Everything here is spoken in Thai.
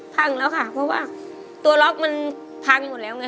พังแล้วค่ะเพราะว่าตัวล็อกมันพังหมดแล้วไง